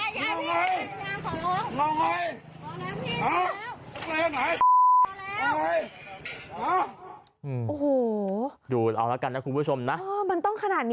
ข้างข่าวหละทางมาลายช่างลงไต่